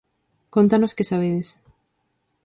Cóntanos que sabedes.